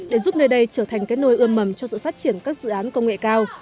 để giúp nơi đây trở thành cái nôi ươm mầm cho sự phát triển các dự án công nghệ cao